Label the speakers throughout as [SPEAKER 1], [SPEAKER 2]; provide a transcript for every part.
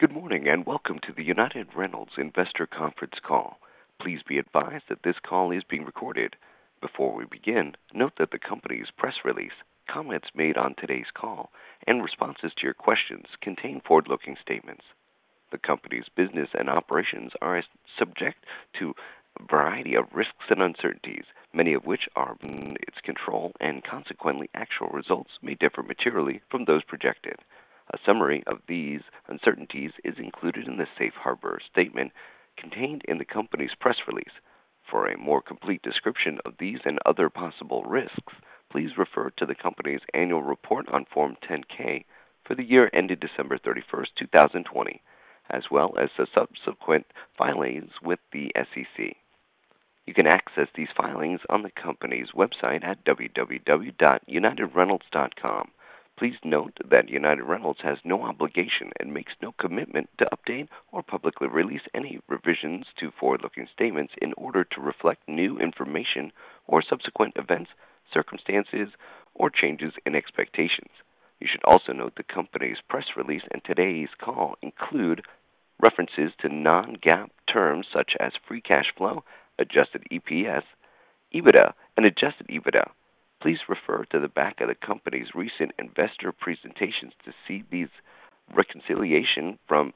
[SPEAKER 1] Good morning, and welcome to the United Rentals Investor Conference Call. Please be advised that this call is being recorded. Before we begin, note that the company's press release, comments made on today's call, and responses to your questions contain forward-looking statements. The company's business and operations are subject to a variety of risks and uncertainties, many of which are beyond its control, and consequently, actual results may differ materially from those projected. A summary of these uncertainties is included in the safe harbor statement contained in the company's press release. For a more complete description of these and other possible risks, please refer to the company's annual report on Form 10-K for the year ended December 31st, 2020, as well as the subsequent filings with the SEC. You can access these filings on the company's website at www.unitedrentals.com. Please note that United Rentals has no obligation and makes no commitment to update or publicly release any revisions to forward-looking statements in order to reflect new information or subsequent events, circumstances, or changes in expectations. You should also note the company's press release and today's call include references to non-GAAP terms such as free cash flow, adjusted EPS, EBITDA, and Adjusted EBITDA. Please refer to the back of the company's recent investor presentations to see these reconciliation from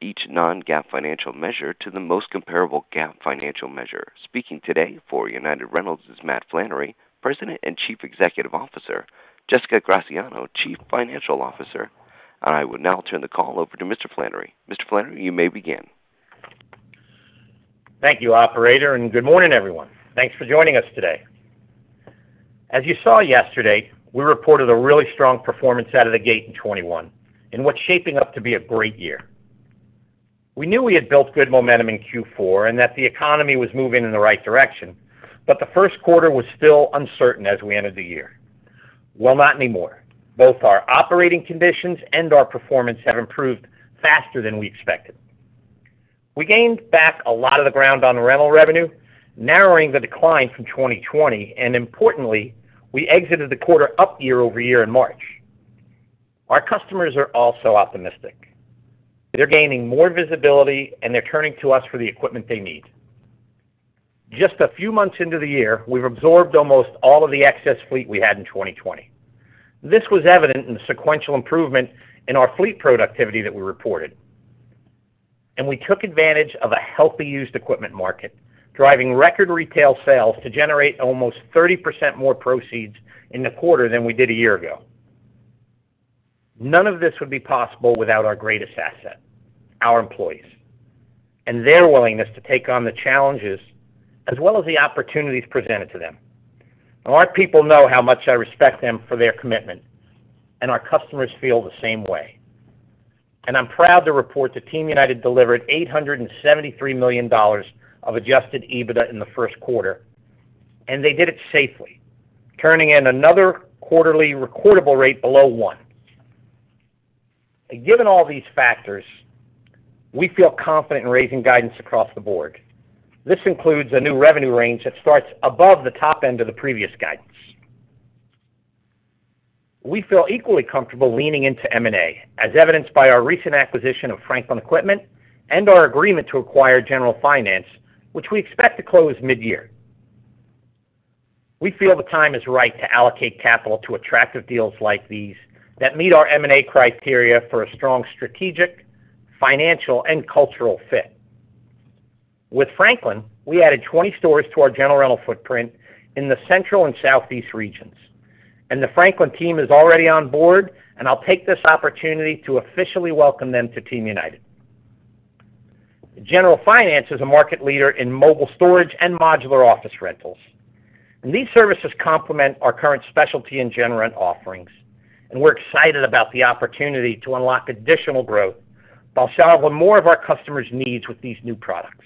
[SPEAKER 1] each non-GAAP financial measure to the most comparable GAAP financial measure. Speaking today for United Rentals is Matthew Flannery, President and Chief Executive Officer, Jessica Graziano, Chief Financial Officer. I will now turn the call over to Mr. Flannery. Mr. Flannery, you may begin.
[SPEAKER 2] Thank you, operator. Good morning, everyone. Thanks for joining us today. As you saw yesterday, we reported a really strong performance out of the gate in 2021, in what's shaping up to be a great year. We knew we had built good momentum in Q4 and that the economy was moving in the right direction. The first quarter was still uncertain as we ended the year. Well, not anymore. Both our operating conditions and our performance have improved faster than we expected. We gained back a lot of the ground on rental revenue, narrowing the decline from 2020. Importantly, we exited the quarter up year-over-year in March. Our customers are also optimistic. They're gaining more visibility, and they're turning to us for the equipment they need. Just a few months into the year, we've absorbed almost all of the excess fleet we had in 2020. This was evident in the sequential improvement in our fleet productivity that we reported. We took advantage of a healthy used equipment market, driving record retail sales to generate almost 30% more proceeds in the quarter than we did a year ago. None of this would be possible without our greatest asset, our employees, and their willingness to take on the challenges as well as the opportunities presented to them. Our people know how much I respect them for their commitment, and our customers feel the same way. I'm proud to report that Team United delivered $873 million of Adjusted EBITDA in the first quarter, and they did it safely, turning in another quarterly recordable rate below one. Given all these factors, we feel confident in raising guidance across the board. This includes a new revenue range that starts above the top end of the previous guidance. We feel equally comfortable leaning into M&A, as evidenced by our recent acquisition of Franklin Equipment and our agreement to acquire General Finance, which we expect to close mid-year. We feel the time is right to allocate capital to attractive deals like these that meet our M&A criteria for a strong strategic, financial, and cultural fit. With Franklin, we added 20 stores to our general rental footprint in the central and southeast regions. The Franklin team is already on board, and I'll take this opportunity to officially welcome them to Team United. General Finance is a market leader in mobile storage and modular office rentals, and these services complement our current specialty and general offerings, and we're excited about the opportunity to unlock additional growth while serving more of our customers' needs with these new products.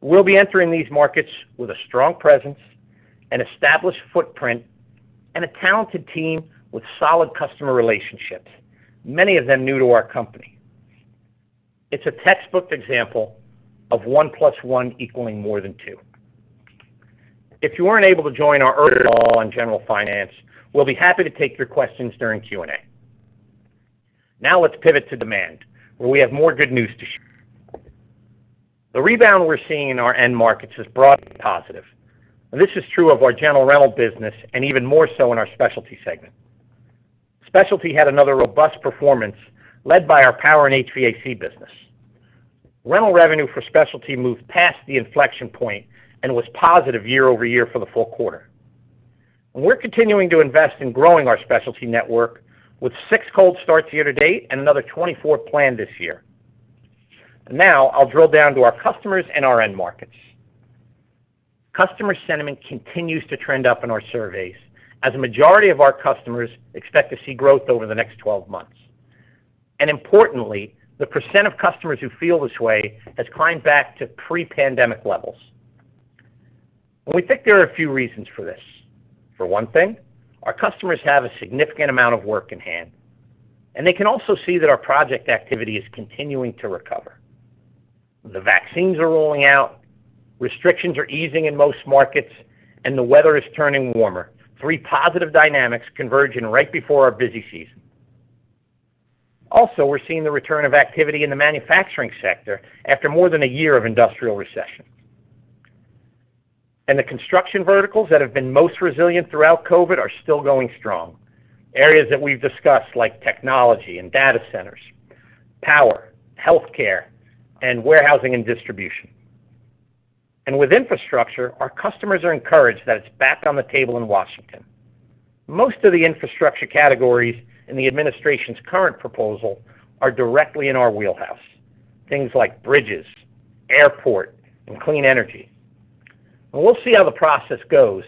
[SPEAKER 2] We'll be entering these markets with a strong presence, an established footprint, and a talented team with solid customer relationships, many of them new to our company. It's a textbook example of one plus one equaling more than two. If you weren't able to join our earlier call on General Finance, we'll be happy to take your questions during Q&A. Now let's pivot to demand, where we have more good news to share. The rebound we're seeing in our end markets is broadly positive. This is true of our General Rental business and even more so in our Specialty segment. Specialty had another robust performance led by our power and HVAC business. Rental revenue for Specialty moved past the inflection point and was positive year-over-year for the full quarter. We're continuing to invest in growing our Specialty network with six cold starts year-to-date and another 24 planned this year. Now, I'll drill down to our customers and our end markets. Customer sentiment continues to trend up in our surveys as a majority of our customers expect to see growth over the next 12 months. Importantly, the percent of customers who feel this way has climbed back to pre-pandemic levels. We think there are a few reasons for this. For one thing, our customers have a significant amount of work in-hand, and they can also see that our project activity is continuing to recover. The vaccines are rolling out, restrictions are easing in most markets, and the weather is turning warmer. Three positive dynamics converging right before our busy season. We're seeing the return of activity in the manufacturing sector after more than a year of industrial recession. The construction verticals that have been most resilient throughout COVID are still going strong. Areas that we've discussed, like technology and data centers, power, healthcare, and warehousing and distribution. With infrastructure, our customers are encouraged that it's back on the table in Washington. Most of the infrastructure categories in the administration's current proposal are directly in our wheelhouse. Things like bridges, airport, and clean energy. We'll see how the process goes,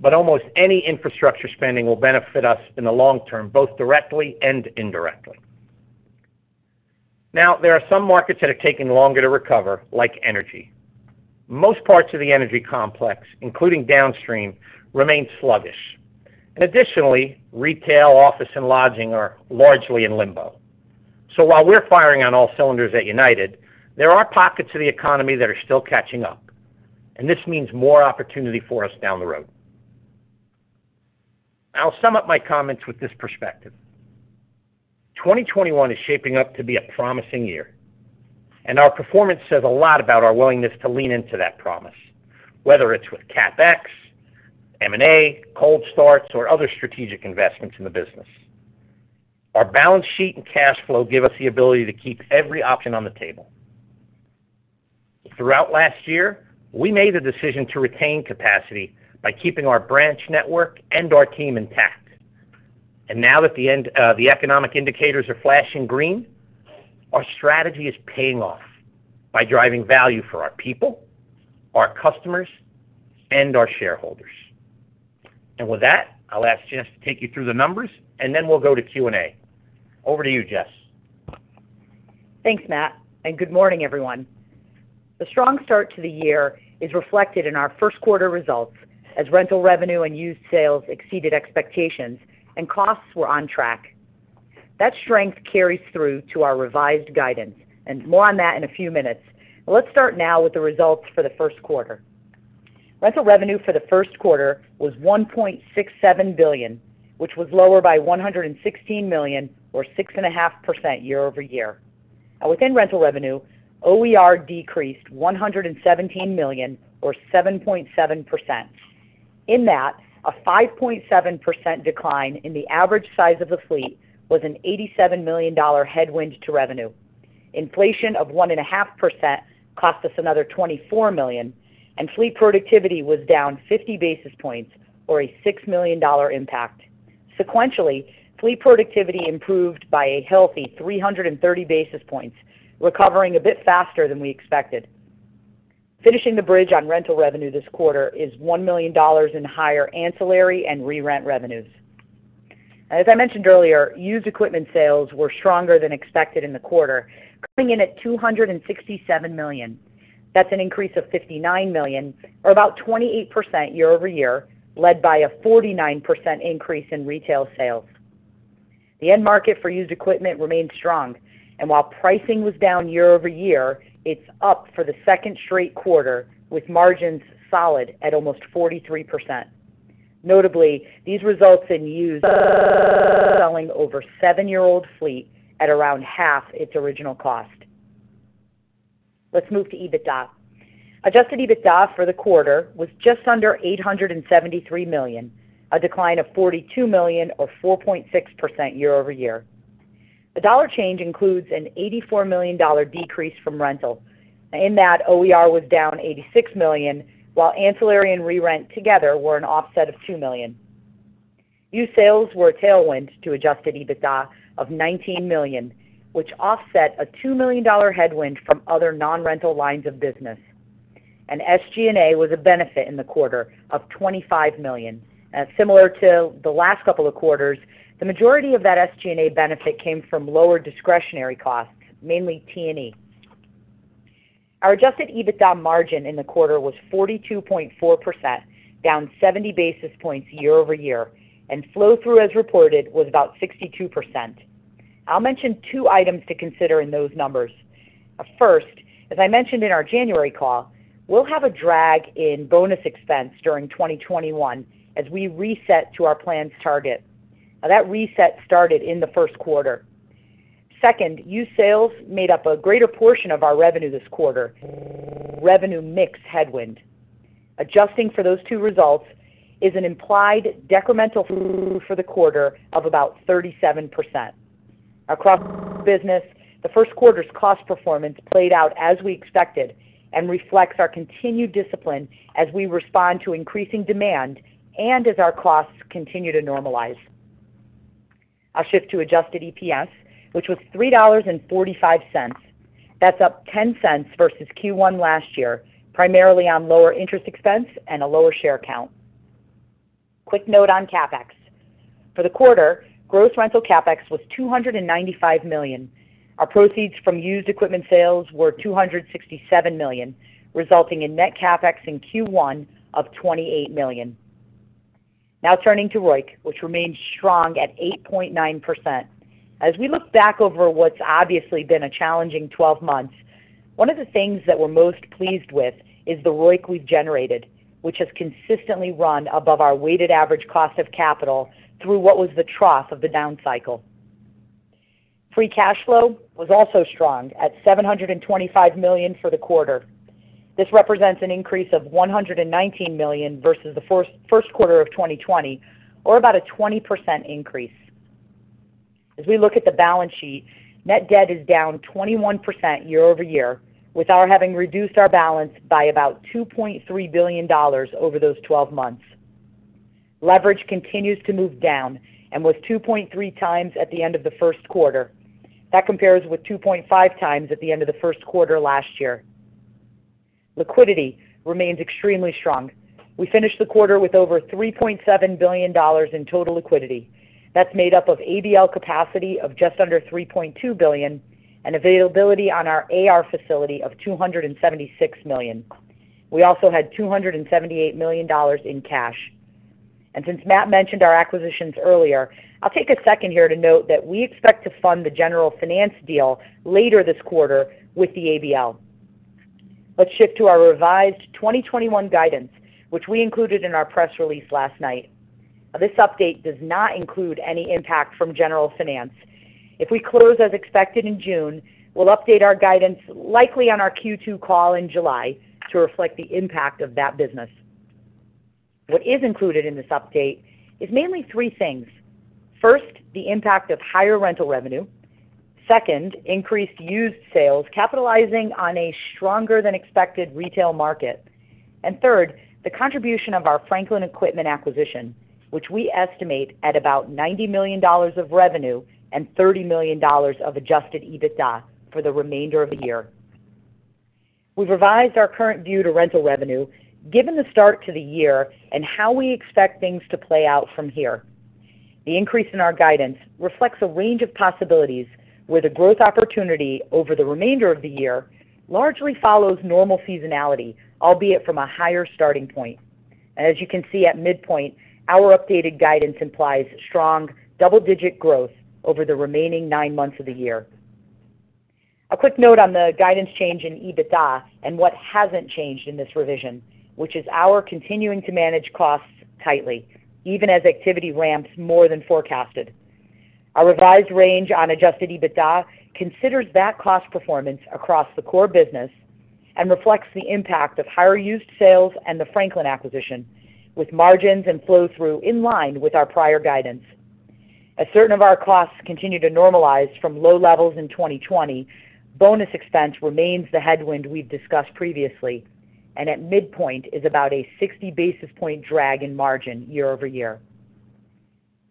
[SPEAKER 2] but almost any infrastructure spending will benefit us in the long term, both directly and indirectly. Now, there are some markets that are taking longer to recover, like energy. Most parts of the energy complex, including downstream, remain sluggish. Additionally, retail, office, and lodging are largely in limbo. While we're firing on all cylinders at United, there are pockets of the economy that are still catching up, and this means more opportunity for us down the road. I'll sum up my comments with this perspective. 2021 is shaping up to be a promising year, and our performance says a lot about our willingness to lean into that promise, whether it's with CapEx, M&A, cold starts, or other strategic investments in the business. Our balance sheet and cash flow give us the ability to keep every option on the table. Throughout last year, we made the decision to retain capacity by keeping our branch network and our team intact. Now that the economic indicators are flashing green, our strategy is paying off by driving value for our people, our customers, and our shareholders. With that, I'll ask Jess to take you through the numbers, and then we'll go to Q&A. Over to you, Jess.
[SPEAKER 3] Thanks, Matt. Good morning, everyone. The strong start to the year is reflected in our first quarter results as rental revenue and used sales exceeded expectations and costs were on track. That strength carries through to our revised guidance, and more on that in a few minutes. Let's start now with the results for the first quarter. Within rental revenue, OER decreased $117 million or 7.7%. In that, a 5.7% decline in the average size of the fleet was an $87 million headwind to revenue. Inflation of 1.5% cost us another $24 million, and fleet productivity was down 50 basis points or a $6 million impact. Sequentially, fleet productivity improved by a healthy 330 basis points, recovering a bit faster than we expected. Finishing the bridge on rental revenue this quarter is $1 million in higher ancillary and re-rent revenues. As I mentioned earlier, used equipment sales were stronger than expected in the quarter, coming in at $267 million. That's an increase of $59 million or about 28% year-over-year, led by a 49% increase in retail sales. The end market for used equipment remains strong, and while pricing was down year-over-year, it's up for the second straight quarter with margins solid at almost 43%. Notably, these results in used selling over seven-year-old fleet at around half its original cost. Let's move to EBITDA. Adjusted EBITDA for the quarter was just under $873 million, a decline of $42 million or 4.6% year-over-year. The dollar change includes an $84 million decrease from rental. In that, OER was down $86 million while ancillary and re-rent together were an offset of $2 million. Used sales were a tailwind to Adjusted EBITDA of $19 million, which offset a $2 million headwind from other non-rental lines of business. SG&A was a benefit in the quarter of $25 million. Similar to the last couple of quarters, the majority of that SG&A benefit came from lower discretionary costs, mainly T&E. Our Adjusted EBITDA margin in the quarter was 42.4%, down 70 basis points year-over-year, and flow through as reported was about 62%. I'll mention two items to consider in those numbers. First, as I mentioned in our January call, we'll have a drag in bonus expense during 2021 as we reset to our plans target. That reset started in the first quarter. Used sales made up a greater portion of our revenue this quarter, revenue mix headwind. Adjusting for those two results is an implied decremental for the quarter of about 37%. Across the business, the first quarter's cost performance played out as we expected and reflects our continued discipline as we respond to increasing demand and as our costs continue to normalize. I'll shift to adjusted EPS, which was $3.45. That's up $0.10 versus Q1 last year, primarily on lower interest expense and a lower share count. Quick note on CapEx. For the quarter, gross rental CapEx was $295 million. Our proceeds from used equipment sales were $267 million, resulting in net CapEx in Q1 of $28 million. Turning to ROIC, which remains strong at 8.9%. As we look back over what's obviously been a challenging 12 months, one of the things that we're most pleased with is the ROIC we've generated, which has consistently run above our weighted average cost of capital through what was the trough of the down cycle. Free cash flow was also strong at $725 million for the quarter. This represents an increase of $119 million versus the first quarter of 2020, or about a 20% increase. As we look at the balance sheet, net debt is down 21% year-over-year, with our having reduced our balance by about $2.3 billion over those 12 months. Leverage continues to move down and was 2.3x at the end of the first quarter. That compares with 2.5x at the end of the first quarter last year. Liquidity remains extremely strong. We finished the quarter with over $3.7 billion in total liquidity. That's made up of ABL capacity of just under $3.2 billion and availability on our AR facility of $276 million. We also had $278 million in cash. Since Matt mentioned our acquisitions earlier, I'll take a second here to note that we expect to fund the General Finance deal later this quarter with the ABL. Let's shift to our revised 2021 guidance, which we included in our press release last night. This update does not include any impact from General Finance. If we close as expected in June, we'll update our guidance likely on our Q2 call in July to reflect the impact of that business. What is included in this update is mainly three things. First, the impact of higher rental revenue. Second, increased used sales, capitalizing on a stronger than expected retail market. Third, the contribution of our Franklin Equipment acquisition, which we estimate at about $90 million of revenue and $30 million of Adjusted EBITDA for the remainder of the year. We've revised our current view to rental revenue, given the start to the year and how we expect things to play out from here. The increase in our guidance reflects a range of possibilities, where the growth opportunity over the remainder of the year largely follows normal seasonality, albeit from a higher starting point. As you can see at midpoint, our updated guidance implies strong double-digit growth over the remaining nine months of the year. A quick note on the guidance change in EBITDA and what hasn't changed in this revision, which is our continuing to manage costs tightly, even as activity ramps more than forecasted. Our revised range on Adjusted EBITDA considers that cost performance across the core business and reflects the impact of higher used sales and the Franklin acquisition, with margins and flow-through in line with our prior guidance. As certain of our costs continue to normalize from low levels in 2020, bonus expense remains the headwind we've discussed previously, and at midpoint is about a 60-basis-point drag in margin year-over-year.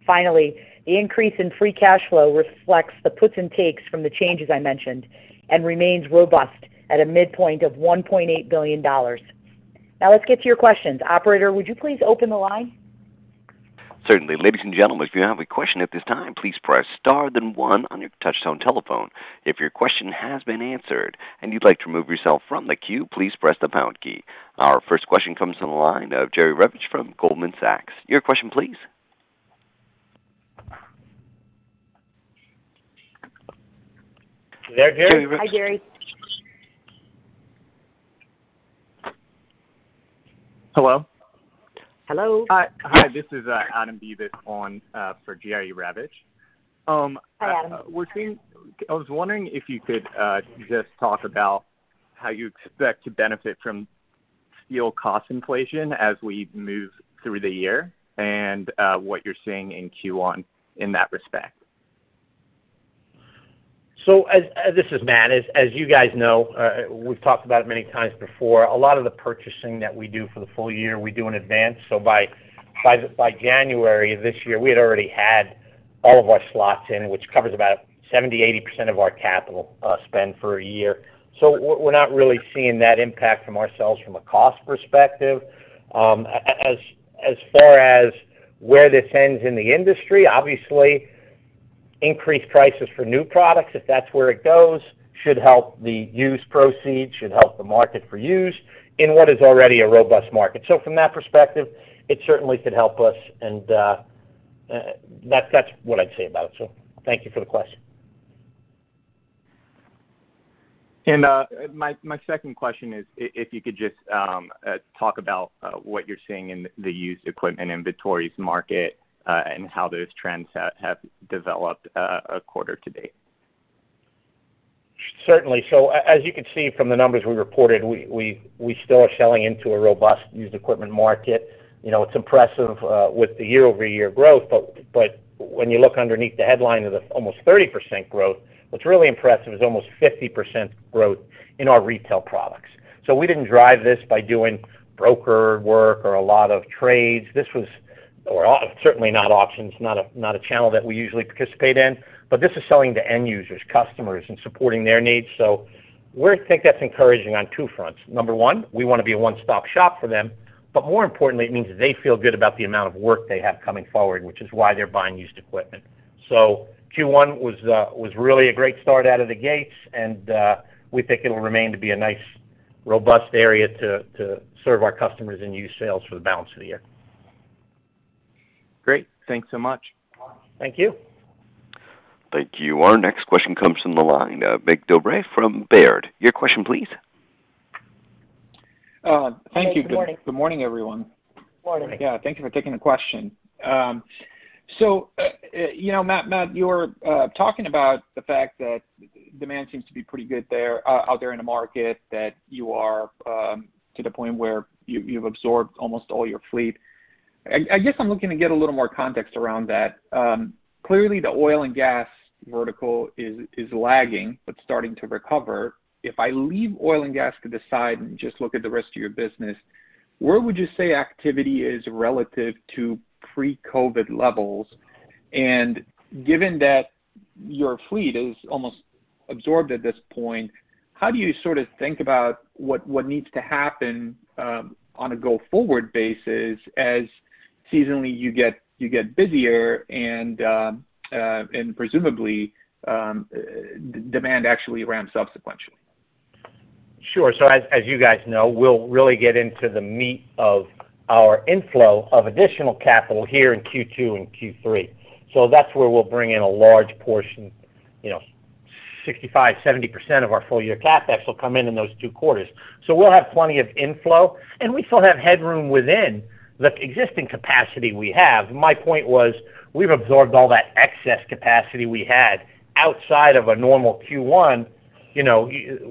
[SPEAKER 3] Finally, the increase in free cash flow reflects the puts and takes from the changes I mentioned and remains robust at a midpoint of $1.8 billion. Let's get to your questions. Operator, would you please open the line?
[SPEAKER 1] Our first question comes from the line of Jerry Revich from Goldman Sachs. Your question please.
[SPEAKER 3] You there, Jerry? Hi, Jerry.
[SPEAKER 4] Hello?
[SPEAKER 3] Hello. Hi.
[SPEAKER 4] Hi, this is Adam Beavis on for Jerry Revich.
[SPEAKER 3] Hi, Adam.
[SPEAKER 4] I was wondering if you could just talk about how you expect to benefit from steel cost inflation as we move through the year and what you're seeing in Q1 in that respect.
[SPEAKER 2] This is Matt. As you guys know, we've talked about it many times before. A lot of the purchasing that we do for the full year, we do in advance. By January this year, we had already had all of our slots in, which covers about 70%-80% of our capital spend for a year. We're not really seeing that impact from ourselves from a cost perspective. As far as where this ends in the industry, obviously increased prices for new products, if that's where it goes, should help the used proceeds, should help the market for used in what is already a robust market. From that perspective, it certainly could help us, and that's what I'd say about it. Thank you for the question.
[SPEAKER 4] My second question is if you could just talk about what you're seeing in the used equipment inventories market and how those trends have developed quarter-to-date.
[SPEAKER 2] Certainly. As you can see from the numbers we reported, we still are selling into a robust used equipment market. It's impressive with the year-over-year growth, but when you look underneath the headline of the almost 30% growth, what's really impressive is almost 50% growth in our retail products. We didn't drive this by doing broker work or a lot of trades. This was certainly not auctions, not a channel that we usually participate in. This is selling to end users, customers, and supporting their needs. We think that's encouraging on two fronts. Number 1, we want to be a one-stop shop for them. More importantly, it means that they feel good about the amount of work they have coming forward, which is why they're buying used equipment. Q1 was really a great start out of the gates, and we think it'll remain to be a nice robust area to serve our customers and use sales for the balance of the year.
[SPEAKER 4] Great. Thanks so much.
[SPEAKER 2] Thank you.
[SPEAKER 1] Thank you. Our next question comes from the line of Mircea Dobre from Baird. Your question, please.
[SPEAKER 5] Thank you.
[SPEAKER 3] Good morning. Good morning, everyone.
[SPEAKER 2] Morning.
[SPEAKER 5] Yeah, thank you for taking the question. Matt, you were talking about the fact that demand seems to be pretty good out there in the market, that you are to the point where you've absorbed almost all your fleet. I guess I'm looking to get a little more context around that. Clearly, the oil and gas vertical is lagging, but starting to recover. If I leave oil and gas to the side and just look at the rest of your business, where would you say activity is relative to pre-COVID levels? Given that your fleet is almost absorbed at this point, how do you sort of think about what needs to happen on a go-forward basis as seasonally you get busier and presumably, demand actually ramps up sequentially?
[SPEAKER 2] Sure. As you guys know, we'll really get into the meat of our inflow of additional capital here in Q2 and Q3. That's where we'll bring in a large portion. 65%-70% of our full-year CapEx will come in those two quarters. We'll have plenty of inflow, and we still have headroom within the existing capacity we have. My point was, we've absorbed all that excess capacity we had outside of a normal Q1.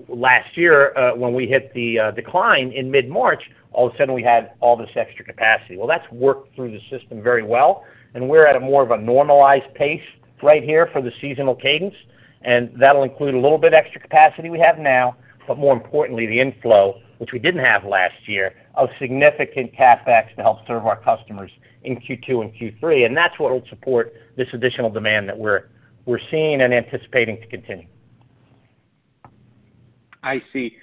[SPEAKER 2] Last year, when we hit the decline in mid-March, all of a sudden, we had all this extra capacity. Well, that's worked through the system very well, and we're at a more of a normalized pace right here for the seasonal cadence, and that'll include a little bit extra capacity we have now. More importantly, the inflow, which we didn't have last year, of significant CapEx to help serve our customers in Q2 and Q3, and that's what will support this additional demand that we're seeing and anticipating to continue.
[SPEAKER 5] I see.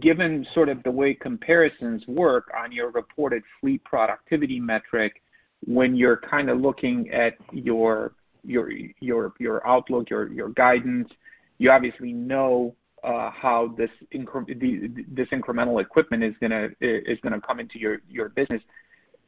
[SPEAKER 5] Given sort of the way comparisons work on your reported fleet productivity metric, when you're kind of looking at your outlook, your guidance, you obviously know how this incremental equipment is going to come into your business,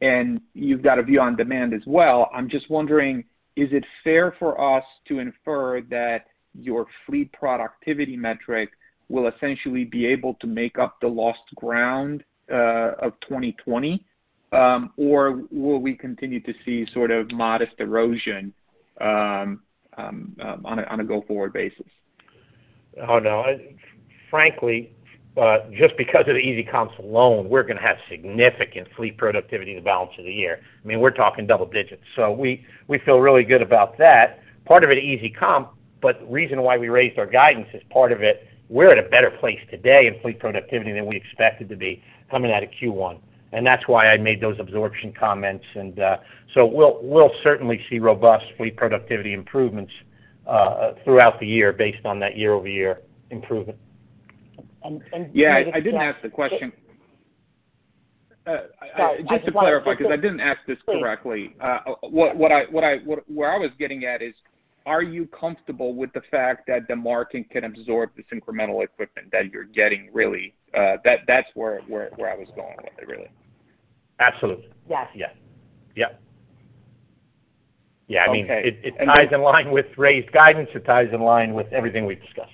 [SPEAKER 5] and you've got a view on demand as well. I'm just wondering, is it fair for us to infer that your fleet productivity metric will essentially be able to make up the lost ground of 2020? Or will we continue to see sort of modest erosion on a go-forward basis?
[SPEAKER 2] Oh, no. Frankly, just because of the easy comps alone, we're going to have significant fleet productivity in the balance of the year. I mean, we're talking double digits. We feel really good about that. Part of it, easy comp, but the reason why we raised our guidance is part of it, we're at a better place today in fleet productivity than we expected to be coming out of Q1, and that's why I made those absorption comments. We'll certainly see robust fleet productivity improvements throughout the year based on that year-over-year improvement.
[SPEAKER 5] Yeah, I didn't ask the question.
[SPEAKER 3] Sorry, I just wanted to.
[SPEAKER 5] Just to clarify, because I didn't ask this correctly. Where I was getting at is, are you comfortable with the fact that the market can absorb this incremental equipment that you're getting, really? That's where I was going with it, really.
[SPEAKER 2] Absolutely.
[SPEAKER 3] Yes.
[SPEAKER 2] Yeah. I mean, it ties in line with raised guidance. It ties in line with everything we've discussed.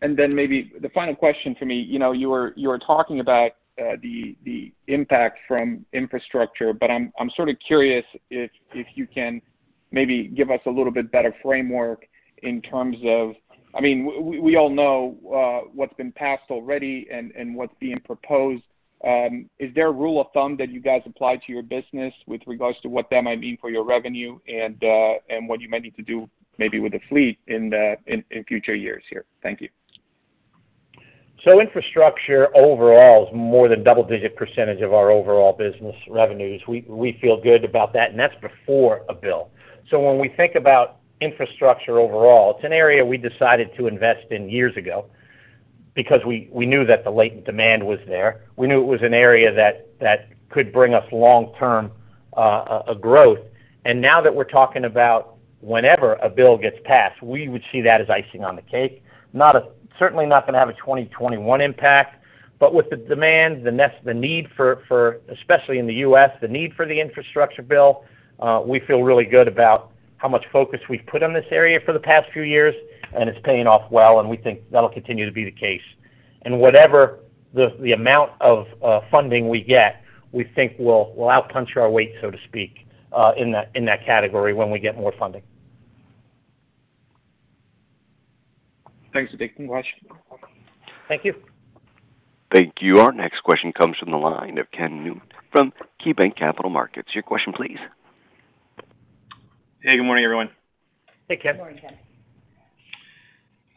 [SPEAKER 5] Maybe the final question for me. You were talking about the impact from infrastructure, I'm sort of curious if you can maybe give us a little bit better framework in terms of, I mean, we all know what's been passed already and what's being proposed. Is there a rule of thumb that you guys apply to your business with regards to what that might mean for your revenue and what you might need to do maybe with the fleet in future years here? Thank you.
[SPEAKER 2] Infrastructure overall is more than double-digit percentage of our overall business revenues. We feel good about that, and that's before a bill. When we think about infrastructure overall, it's an area we decided to invest in years ago because we knew that the latent demand was there. We knew it was an area that could bring us long-term growth. Now that we're talking about whenever a bill gets passed, we would see that as icing on the cake. Certainly not going to have a 2021 impact. With the demand, especially in the U.S., the need for the infrastructure bill, we feel really good about how much focus we've put on this area for the past few years, and it's paying off well, and we think that'll continue to be the case. Whatever the amount of funding we get, we think we'll outpunch our weight, so to speak, in that category when we get more funding.
[SPEAKER 5] Thanks.
[SPEAKER 3] Thanks. Thanks for the question. Thank you.
[SPEAKER 1] Thank you. Our next question comes from the line of Ken Newman from KeyBanc Capital Markets. Your question, please.
[SPEAKER 6] Hey, good morning, everyone.
[SPEAKER 3] Hey, Ken. Morning, Ken.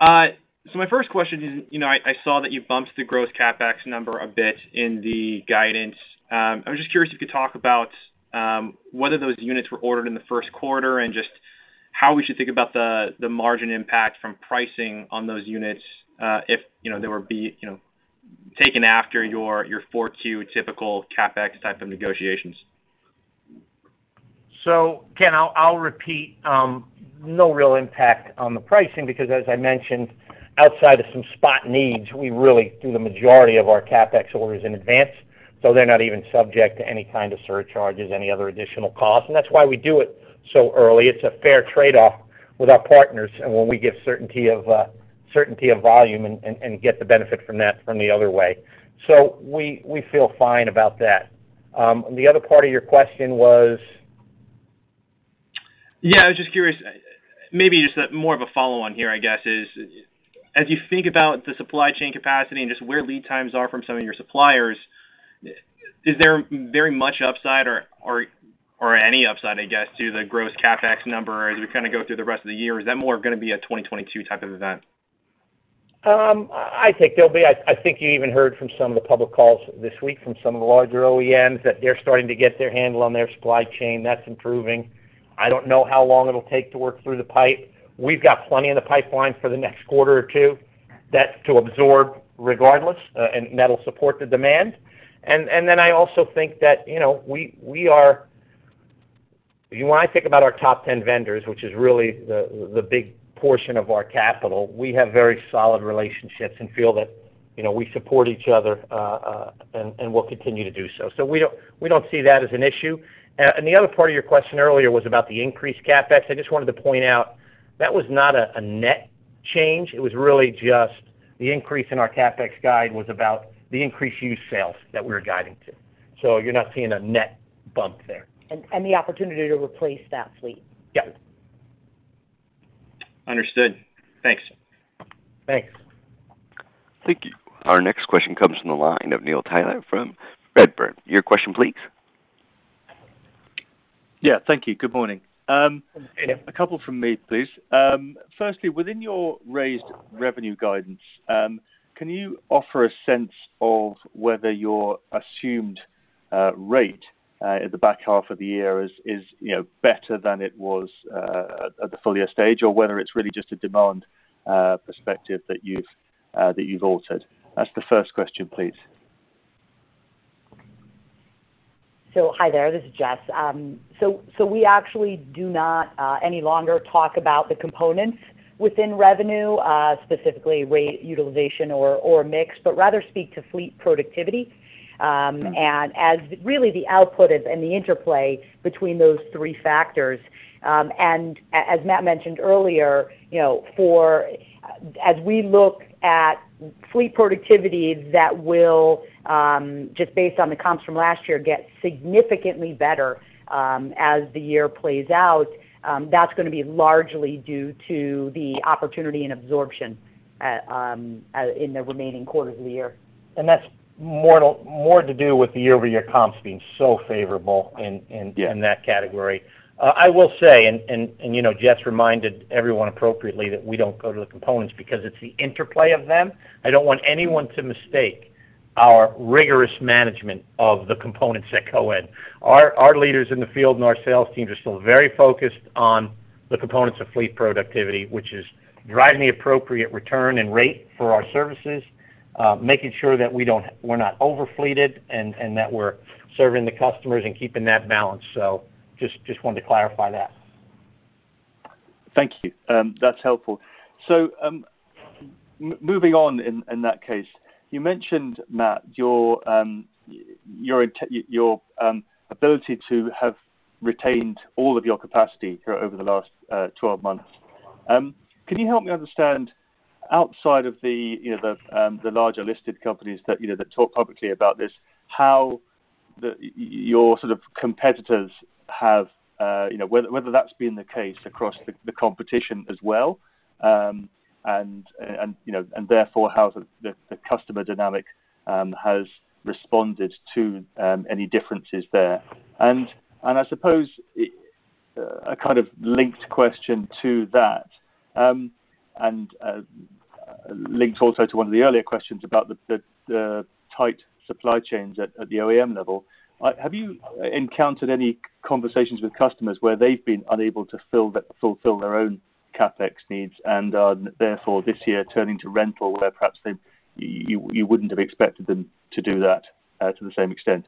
[SPEAKER 6] My first question is, I saw that you bumped the gross CapEx number a bit in the guidance. I was just curious if you could talk about whether those units were ordered in the first quarter and just how we should think about the margin impact from pricing on those units if they were taken after your 4Q typical CapEx type of negotiations.
[SPEAKER 2] Ken, I'll repeat. No real impact on the pricing because as I mentioned, outside of some spot needs, we really do the majority of our CapEx orders in advance, so they're not even subject to any kind of surcharges, any other additional cost. That's why we do it so early. It's a fair trade-off with our partners and when we give certainty of volume and get the benefit from that from the other way. We feel fine about that. The other part of your question was?
[SPEAKER 6] Yeah, I was just curious, maybe just more of a follow-on here, I guess is, as you think about the supply chain capacity and just where lead times are from some of your suppliers, is there very much upside or any upside, I guess, to the gross CapEx number as we kind of go through the rest of the year? Is that more going to be a 2022 type of event?
[SPEAKER 2] I think you even heard from some of the public calls this week from some of the larger OEMs that they're starting to get their handle on their supply chain. That's improving. I don't know how long it'll take to work through the pipe. We've got plenty in the pipeline for the next quarter or two that to absorb regardless, and that'll support the demand. I also think that when I think about our top 10 vendors, which is really the big portion of our capital, we have very solid relationships and feel that we support each other, and we'll continue to do so. We don't see that as an issue. The other part of your question earlier was about the increased CapEx. I just wanted to point out that was not a net change. It was really just the increase in our CapEx guide was about the increased used sales that we were guiding to. You're not seeing a net bump there.
[SPEAKER 3] The opportunity to replace that fleet.
[SPEAKER 2] Yeah.
[SPEAKER 6] Understood. Thanks.
[SPEAKER 2] Thanks.
[SPEAKER 1] Thank you. Our next question comes from the line of Neil Tyler from Redburn. Your question, please.
[SPEAKER 7] Yeah. Thank you. Good morning.
[SPEAKER 2] Good morning.
[SPEAKER 7] A couple from me, please. Firstly, within your raised revenue guidance, can you offer a sense of whether your assumed rate, at the back half of the year is better than it was at the full year stage? Whether it's really just a demand perspective that you've altered? That's the first question, please.
[SPEAKER 3] Hi there. This is Jess. We actually do not any longer talk about the components within revenue, specifically rate utilization or mix, but rather speak to Fleet Productivity. As really the output is and the interplay between those three factors. As Matt mentioned earlier, as we look at Fleet Productivity that will, just based on the comps from last year, get significantly better, as the year plays out, that's going to be largely due to the opportunity and absorption in the remaining quarters of the year.
[SPEAKER 2] That's more to do with the year-over-year comps being so favorable in that category. I will say, and Jess reminded everyone appropriately that we don't go to the components because it's the interplay of them. I don't want anyone to mistake our rigorous management of the components that go in. Our leaders in the field and our sales teams are still very focused on the components of fleet productivity, which is driving the appropriate return and rate for our services, making sure that we're not over fleeted, and that we're serving the customers and keeping that balance. Just wanted to clarify that.
[SPEAKER 7] Thank you. That's helpful. Moving on in that case. You mentioned, Matt, your ability to have retained all of your capacity over the last 12 months. Can you help me understand outside of the larger listed companies that talk publicly about this, how your sort of competitors, whether that's been the case across the competition as well, and therefore, how the customer dynamic has responded to any differences there? I suppose a kind of linked question to that, and linked also to one of the earlier questions about the tight supply chains at the OEM level. Have you encountered any conversations with customers where they've been unable to fulfill their own CapEx needs and are therefore this year turning to rental, where perhaps you wouldn't have expected them to do that to the same extent?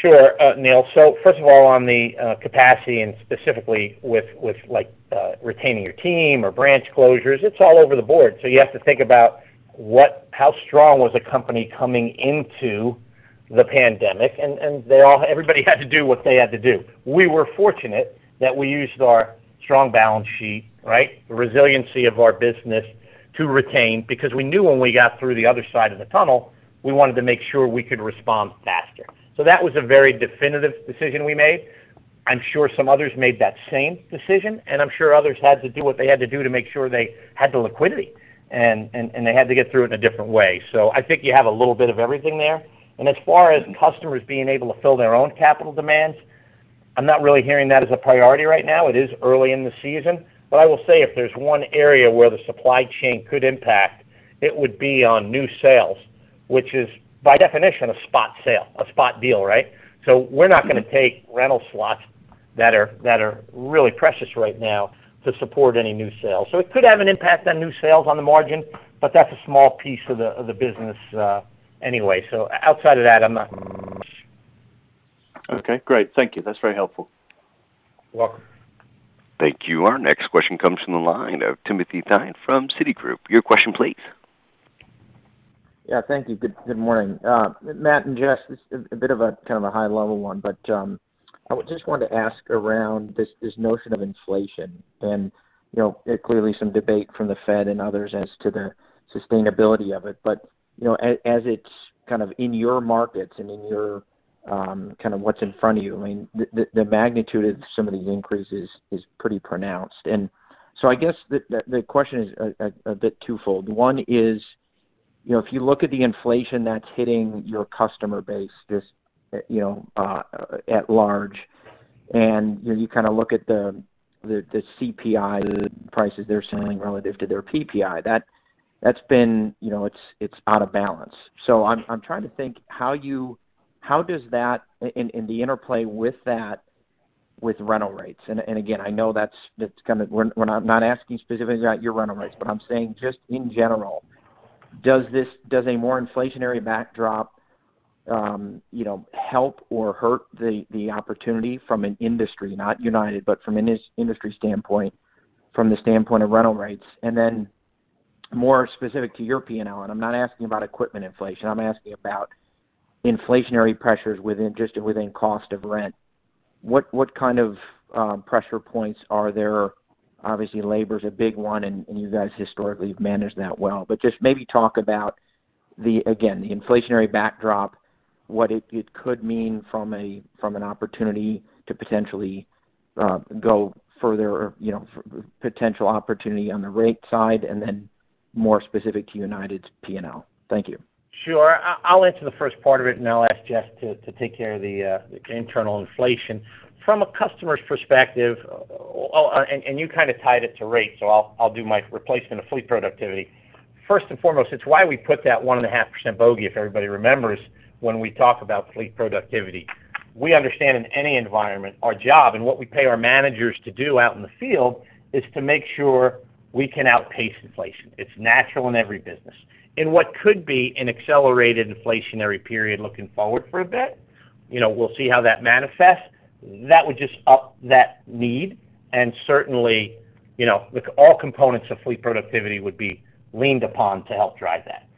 [SPEAKER 2] Sure, Neil. First of all, on the capacity and specifically with retaining your team or branch closures, it's all over the board. You have to think about how strong was a company coming into the pandemic, and everybody had to do what they had to do. We were fortunate that we used our strong balance sheet, right? The resiliency of our business to retain, because we knew when we got through the other side of the tunnel, we wanted to make sure we could respond faster. That was a very definitive decision we made. I'm sure some others made that same decision, and I'm sure others had to do what they had to do to make sure they had the liquidity, and they had to get through it in a different way. I think you have a little bit of everything there. As far as customers being able to fill their own capital demands, I'm not really hearing that as a priority right now. It is early in the season. I will say if there's one area where the supply chain could impact, it would be on new sales, which is by definition a spot sale, a spot deal, right? We're not going to take rental slots that are really precious right now to support any new sales. It could have an impact on new sales on the margin, but that's a small piece of the business anyway. Outside of that, I'm not much.
[SPEAKER 7] Okay, great. Thank you. That's very helpful.
[SPEAKER 2] You're welcome.
[SPEAKER 1] Thank you. Our next question comes from the line of Timothy Thein from Citigroup. Your question, please.
[SPEAKER 8] Yeah. Thank you. Good morning. Matt and Jess, this is a bit of a high level one. I just wanted to ask around this notion of inflation and, clearly some debate from the Fed and others as to the sustainability of it. As it's in your markets and in your what's in front of you, I mean, the magnitude of some of these increases is pretty pronounced. I guess the question is a bit twofold. One is, if you look at the inflation that's hitting your customer base, at large, and you look at the CPI, the prices they're selling relative to their PPI. It's out of balance. I'm trying to think, how does that, and the interplay with that, with rental rates. Again, I know we're not asking specifically about your rental rates, but I'm saying just in general. Does a more inflationary backdrop help or hurt the opportunity from an industry, not United, but from an industry standpoint, from the standpoint of rental rates? Then more specific to your P&L, and I'm not asking about equipment inflation, I'm asking about inflationary pressures just within cost of rent. What kind of pressure points are there? Obviously, labor is a big one, and you guys historically have managed that well. Just maybe talk about, again, the inflationary backdrop, what it could mean from an opportunity to potentially go further, potential opportunity on the rate side and then more specific to United's P&L. Thank you.
[SPEAKER 2] Sure. I'll answer the first part of it, and I'll ask Jess to take care of the internal inflation. From a customer's perspective, oh, and you kind of tied it to rates, so I'll do my replacement of fleet productivity. First and foremost, it's why we put that one and a half percent bogey, if everybody remembers, when we talk about fleet productivity. We understand in any environment, our job and what we pay our managers to do out in the field, is to make sure we can outpace inflation. It's natural in every business. In what could be an accelerated inflationary period looking forward for a bit, we'll see how that manifests. That would just up that need, and certainly, all components of fleet productivity would be leaned upon to help drive that.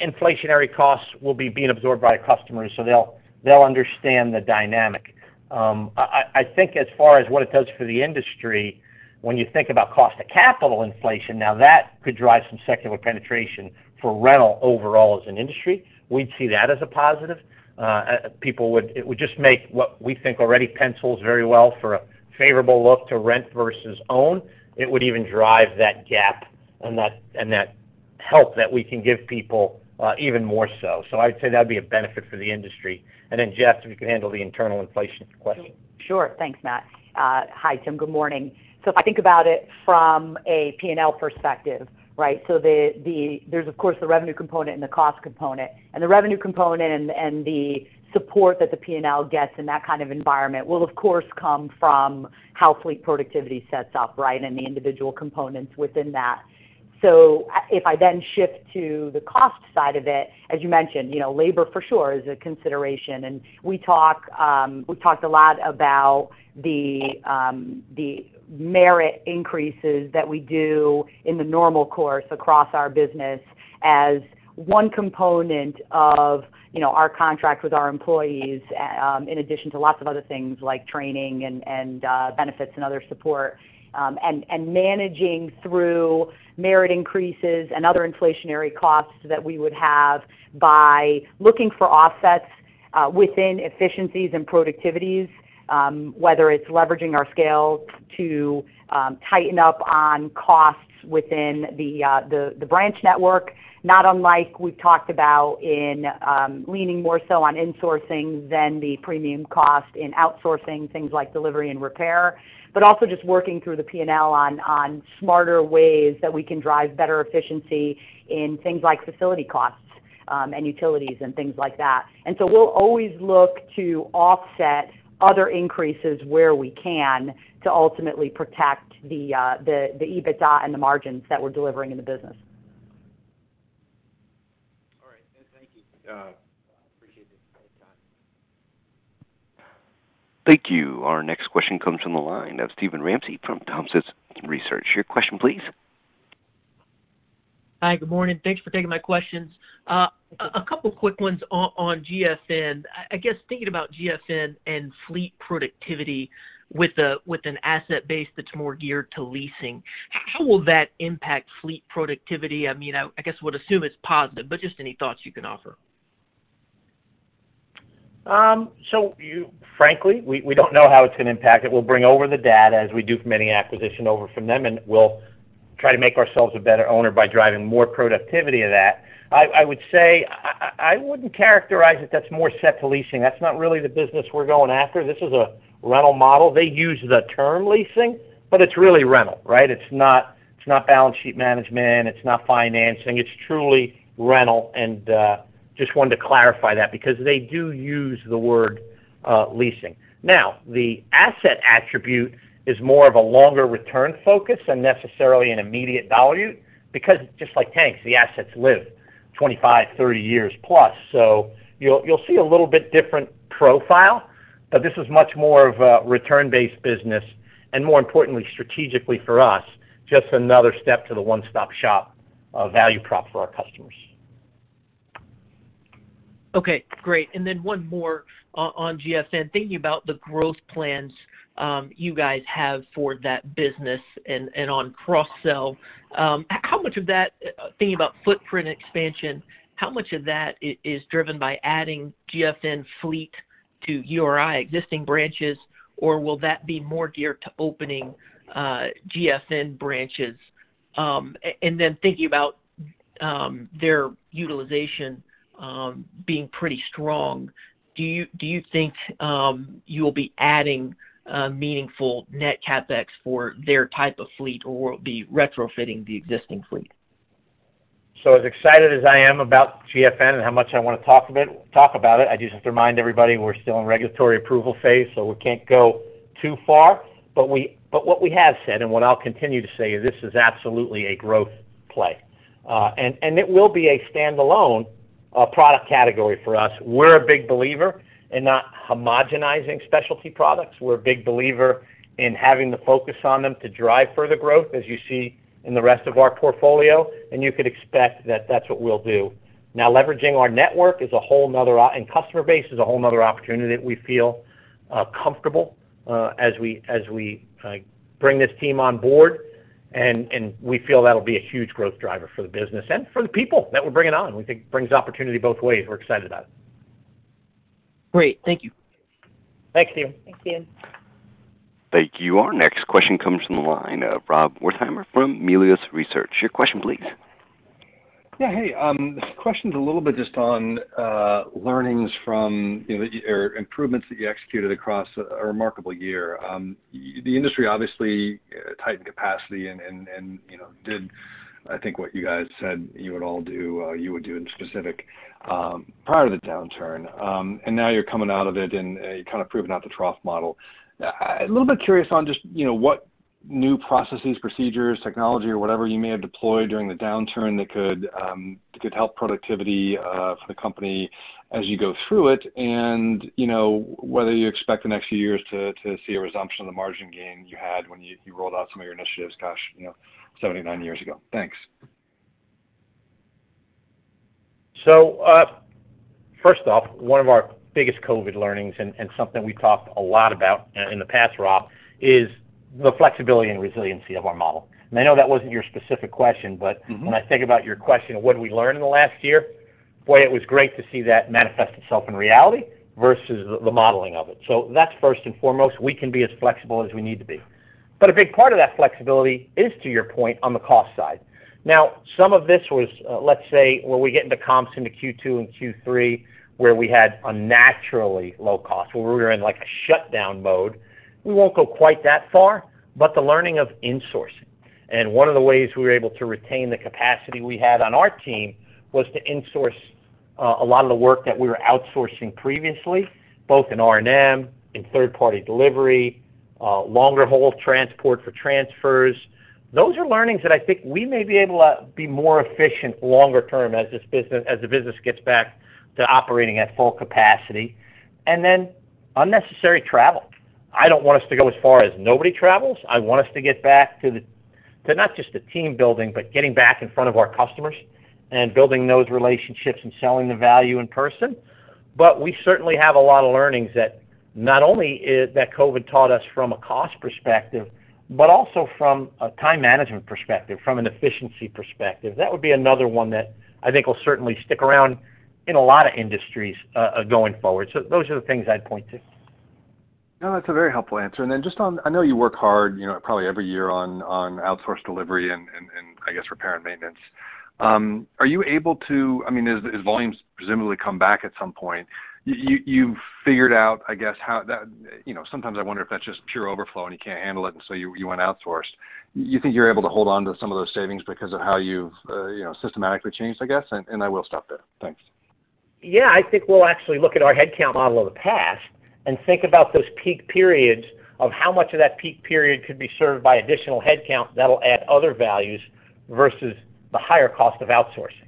[SPEAKER 2] Inflationary costs will be being absorbed by customers, so they'll understand the dynamic. I think as far as what it does for the industry, when you think about cost of capital inflation, now that could drive some secular penetration for rental overall as an industry. We'd see that as a positive. It would just make what we think already pencils very well for a favorable look to rent versus own. It would even drive that gap and that help that we can give people, even more so. I'd say that'd be a benefit for the industry. Jess, if you could handle the internal inflation question.
[SPEAKER 3] Sure. Thanks, Matt. Hi, Tim. Good morning. If I think about it from a P&L perspective, right? There's, of course, the revenue component and the cost component. The revenue component and the support that the P&L gets in that kind of environment will, of course, come from how fleet productivity sets up, right? The individual components within that. If I then shift to the cost side of it, as you mentioned, labor for sure is a consideration. We talked a lot about the merit increases that we do in the normal course across our business as one component of our contract with our employees, in addition to lots of other things like training and benefits and other support. Managing through merit increases and other inflationary costs that we would have by looking for offsets within efficiencies and productivities, whether it's leveraging our scale to tighten up on costs within the branch network. Not unlike we've talked about in leaning more so on insourcing than the premium cost in outsourcing things like delivery and repair, but also just working through the P&L on smarter ways that we can drive better efficiency in things like facility costs and utilities and things like that. We'll always look to offset other increases where we can to ultimately protect the EBITDA and the margins that we're delivering in the business.
[SPEAKER 8] All right. Yeah. Thank you. I appreciate the time.
[SPEAKER 1] Thank you. Our next question comes from the line of Steven Ramsey from Thompson Research. Your question, please.
[SPEAKER 9] Hi. Good morning. Thanks for taking my questions. A couple quick ones on GFN. I guess, thinking about GFN and fleet productivity with an asset base that's more geared to leasing, how will that impact fleet productivity? I guess we'll assume it's positive, just any thoughts you can offer.
[SPEAKER 2] Frankly, we don't know how it's going to impact it. We'll bring over the data as we do from any acquisition over from them, and we'll try to make ourselves a better owner by driving more productivity of that. I would say, I wouldn't characterize it that's more set to leasing. That's not really the business we're going after. This is a rental model. They use the term leasing, but it's really rental, right? It's not balance sheet management. It's not financing. It's truly rental. Just wanted to clarify that because they do use the word leasing. The asset attribute is more of a longer return focus than necessarily an immediate value because just like tanks, the assets live 25, 30 years+. You'll see a little bit different profile, but this is much more of a return-based business, and more importantly, strategically for us, just another step to the one-stop shop value prop for our customers.
[SPEAKER 9] Okay, great. One more on GFN. Thinking about the growth plans you guys have for that business and on cross-sell, how much of that, thinking about footprint expansion, how much of that is driven by adding GFN fleet to URI existing branches, or will that be more geared to opening GFN branches? Thinking about their utilization being pretty strong, do you think you'll be adding meaningful net CapEx for their type of fleet, or will it be retrofitting the existing fleet?
[SPEAKER 2] As excited as I am about GFN and how much I want to talk about it, I just have to remind everybody we're still in regulatory approval phase, so we can't go too far. What we have said, and what I'll continue to say, is this is absolutely a growth play. It will be a standalone product category for us. We're a big believer in not homogenizing specialty products. We're a big believer in having the focus on them to drive further growth, as you see in the rest of our portfolio, and you could expect that that's what we'll do. Now, leveraging our network and customer base is a whole other opportunity that we feel comfortable as we bring this team on board, and we feel that'll be a huge growth driver for the business and for the people that we're bringing on. We think it brings opportunity both ways. We're excited about it.
[SPEAKER 9] Great. Thank you.
[SPEAKER 2] Thanks.
[SPEAKER 10] Thank you.
[SPEAKER 1] Thank you. Our next question comes from the line of Rob Wertheimer from Melius Research. Your question please.
[SPEAKER 10] Hey, this question's a little bit just on learnings from or improvements that you executed across a remarkable year. The industry obviously tightened capacity and did I think what you guys said you would all do, you would do in specific prior to the downturn. Now you're coming out of it and you kind of proven out the trough model. A little bit curious on just what new processes, procedures, technology or whatever you may have deployed during the downturn that could help productivity for the company as you go through it and whether you expect the next few years to see a resumption of the margin gain you had when you rolled out some of your initiatives, gosh, seven to nine years ago. Thanks.
[SPEAKER 2] First off, one of our biggest COVID learnings and something we've talked a lot about in the past, Rob, is the flexibility and resiliency of our model. I know that wasn't your specific question. When I think about your question of what did we learn in the last year, boy, it was great to see that manifest itself in reality versus the modeling of it. That's first and foremost. We can be as flexible as we need to be. A big part of that flexibility is, to your point, on the cost side. Some of this was, let's say, when we get into comps into Q2 and Q3, where we had a naturally low cost, where we were in like a shutdown mode. We won't go quite that far, but the learning of insourcing. One of the ways we were able to retain the capacity we had on our team was to insource a lot of the work that we were outsourcing previously, both in R&M, in third-party delivery, longer haul transport for transfers. Those are learnings that I think we may be able to be more efficient longer term as the business gets back to operating at full capacity. Unnecessary travel. I don't want us to go as far as nobody travels. I want us to get back to not just the team building, but getting back in front of our customers and building those relationships and selling the value in person. We certainly have a lot of learnings that not only that COVID taught us from a cost perspective, but also from a time management perspective, from an efficiency perspective. That would be another one that I think will certainly stick around in a lot of industries going forward. Those are the things I'd point to.
[SPEAKER 10] No, that's a very helpful answer. Just on, I know you work hard probably every year on outsourced delivery and I guess repair and maintenance. Are you able to, as volumes presumably come back at some point, you've figured out, I guess how that. Sometimes I wonder if that's just pure overflow and you can't handle it, and so you went outsourced. You think you're able to hold on to some of those savings because of how you've systematically changed, I guess? I will stop there. Thanks.
[SPEAKER 2] Yeah. I think we'll actually look at our headcount model of the past and think about those peak periods of how much of that peak period could be served by additional headcount that'll add other values versus the higher cost of outsourcing.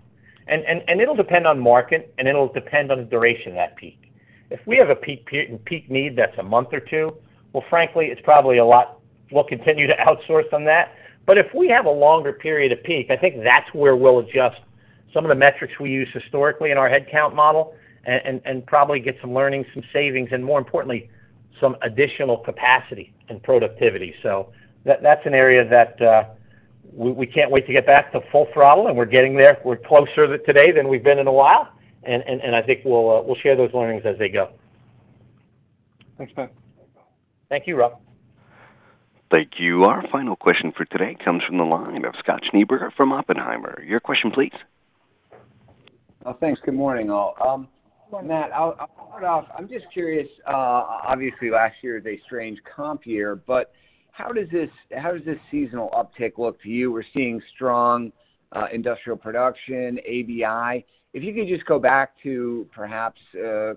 [SPEAKER 2] It'll depend on market, and it'll depend on the duration of that peak. If we have a peak need that's a month or two, well frankly, it's probably a lot we'll continue to outsource on that. If we have a longer period of peak, I think that's where we'll adjust some of the metrics we used historically in our headcount model and probably get some learnings, some savings, and more importantly, some additional capacity and productivity. That's an area that we can't wait to get back to full throttle, and we're getting there. We're closer today than we've been in a while, and I think we'll share those learnings as they go.
[SPEAKER 10] Thanks, Matt.
[SPEAKER 2] Thank you, Rob.
[SPEAKER 1] Thank you. Our final question for today comes from the line of Scott Schneeberger from Oppenheimer. Your question, please.
[SPEAKER 11] Oh, thanks. Good morning, all. Matt, I'll start off. I'm just curious, obviously, last year was a strange comp year. How does this seasonal uptick look to you? We're seeing strong industrial production, ABI. If you could just go back to perhaps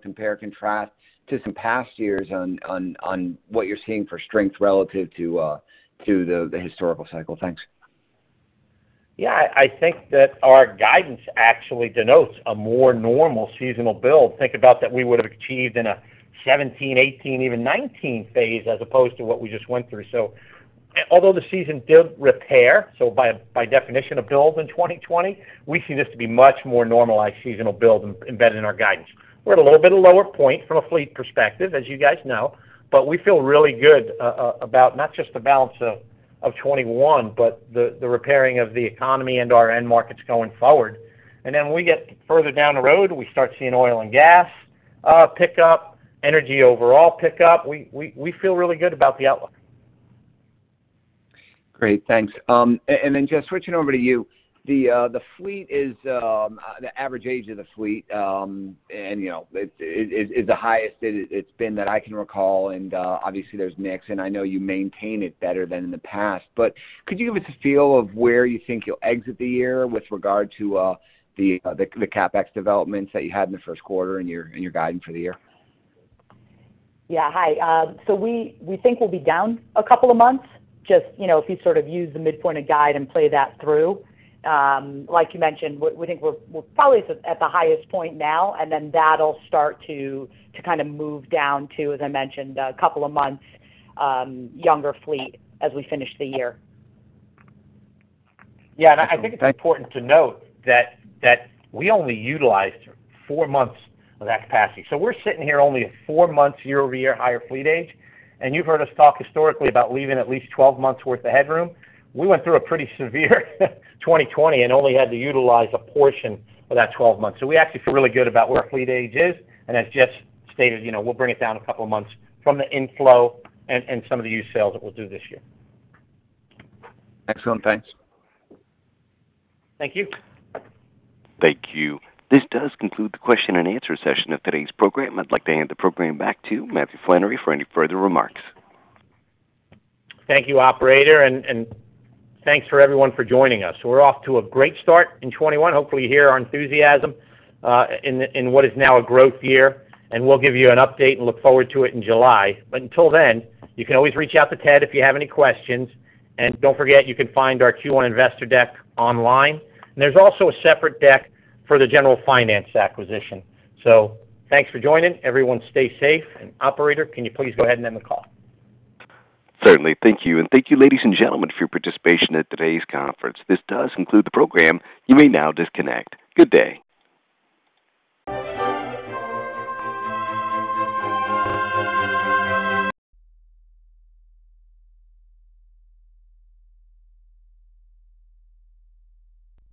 [SPEAKER 11] compare and contrast to some past years on what you're seeing for strength relative to the historical cycle. Thanks.
[SPEAKER 2] Yeah, I think that our guidance actually denotes a more normal seasonal build. Think about that we would have achieved in a 2017, 2018, even 2019 phase, as opposed to what we just went through. Although the season did repair, so by definition a build in 2020, we see this to be much more normalized seasonal build embedded in our guidance. We're at a little bit of lower point from a fleet perspective, as you guys know, but we feel really good about not just the balance of 2021, but the repairing of the economy and our end markets going forward. When we get further down the road, we start seeing oil and gas pick up, energy overall pick up. We feel really good about the outlook.
[SPEAKER 11] Great. Thanks. Jess, switching over to you. The average age of the fleet is the highest it's been that I can recall, and obviously, there's mix, and I know you maintain it better than in the past, but could you give us a feel of where you think you'll exit the year with regard to the CapEx developments that you had in the first quarter and your guidance for the year?
[SPEAKER 3] Yeah. Hi. We think we'll be down a couple of months, just if you sort of use the midpoint of guide and play that through. Like you mentioned, we think we're probably at the highest point now, that'll start to kind of move down to, as I mentioned, a couple of months younger fleet as we finish the year.
[SPEAKER 2] I think it's important to note that we only utilized four months of that capacity. We're sitting here only at four months year-over-year higher fleet age, and you've heard us talk historically about leaving at least 12 months worth of headroom. We went through a pretty severe 2020, and only had to utilize a portion of that 12 months. We actually feel really good about where our fleet age is, and as Jess stated, we'll bring it down a couple of months from the inflow and some of the used sales that we'll do this year.
[SPEAKER 11] Excellent. Thanks.
[SPEAKER 2] Thank you.
[SPEAKER 1] Thank you. This does conclude the question-and-answer session of today's program. I'd like to hand the program back to Matthew Flannery for any further remarks.
[SPEAKER 2] Thank you, operator, and thanks for everyone for joining us. We're off to a great start in 2021. Hopefully, you hear our enthusiasm in what is now a growth year, and we'll give you an update and look forward to it in July. Until then, you can always reach out to Ted if you have any questions. Don't forget, you can find our Q1 investor deck online. There's also a separate deck for the General Finance acquisition. Thanks for joining. Everyone stay safe. Operator, can you please go ahead and end the call?
[SPEAKER 1] Certainly. Thank you. Thank you, ladies and gentlemen, for your participation in today's conference. This does conclude the program. You may now disconnect. Good day.